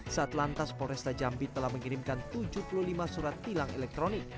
saat lantas polresta jambi telah mengirimkan tujuh puluh lima surat tilang elektronik